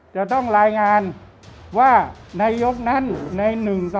จะต้องรายงานว่านายกนั้นใน๑๒